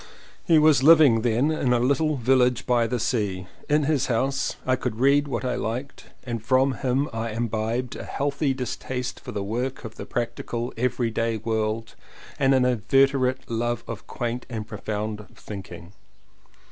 He was then living in a little village by the sea. In his house I could read what I liked and from him I imbibed a healthy dis taste for the work of the practical every day world and an inveterate love of quaint and profound thinking.